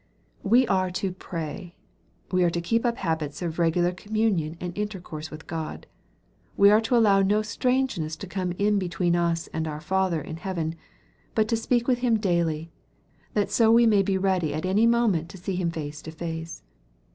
We are to pray. We are to keep up habits of regular communion and intercourse with God. We are to allow no strangeness to come in between us and our Father in heaven, but to speak with Him daily ; that so we may be ready at any moment to see Him face to face.